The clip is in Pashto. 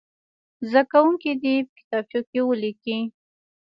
زده کوونکي دې یې په کتابچو کې ولیکي.